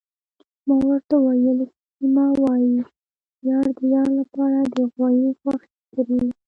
ما ورته وویل: سیمه، وايي یار د یار لپاره د غوايي غوښې خوري.